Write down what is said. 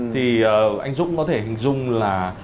thì anh dũng có thể hình dung là